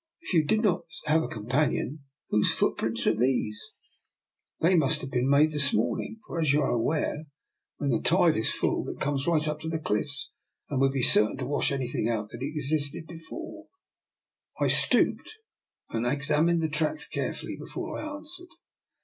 If you did not have a companion, whose footprints are these? They must have been made this morning, for, as you are aware, when the tide is full, it comes right up to the cliffs, and would be certain to wash out anything that existed be fore." DR. NIKOLA'S EXPERIMENT. 21/ I stooped and examined the tracks care fully before I answered.